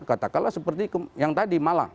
katakanlah seperti yang tadi malang